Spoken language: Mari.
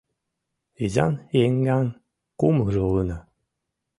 Изан-еҥган кумылжо улына.